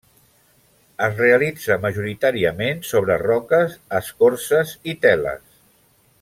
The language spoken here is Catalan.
Es realitza majoritàriament sobre roques, escorces i teles.